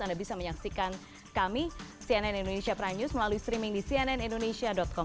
anda bisa menyaksikan kami cnn indonesia prime news melalui streaming di cnnindonesia com